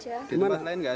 enggak baru sekali ini aja